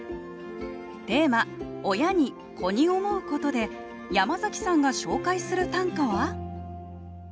テーマ「親に、子に思うこと」で山崎さんが紹介する短歌は？